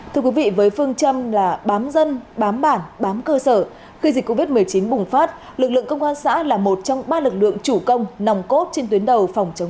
thưa quý vị với phương châm là bám dân bám bản bám cơ sở khi dịch covid một mươi chín bùng phát lực lượng công an xã là một trong ba lực lượng chủ công nòng cốt trên tuyến đầu phòng chống